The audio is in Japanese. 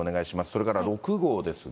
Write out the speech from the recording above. それから６号ですが。